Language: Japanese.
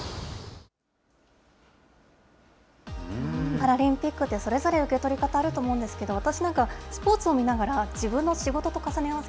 パラリンピックって、それぞれ受け取り方あると思うんですけれども、私なんか、スポーツを見ながら、自分の仕事と重ね合わせ